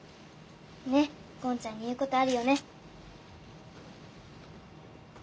ねっゴンちゃんに言うことあるよね。